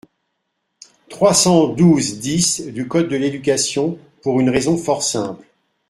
trois cent douze-dix du code de l’éducation, pour une raison fort simple.